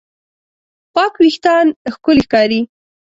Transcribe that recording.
پاک وېښتيان ښکلي ښکاري.